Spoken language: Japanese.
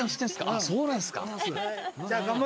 ああそうなんですか。